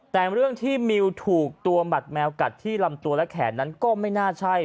แต่เรื่องที่มิวถูกตัวหมัดแมวกัดที่ลำตัวและแขนนั้นก็ไม่น่าใช่